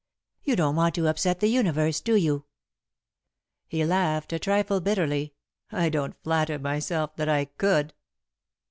You don't want to upset the Universe, do you?" He laughed, a trifle bitterly. "I don't flatter myself that I could."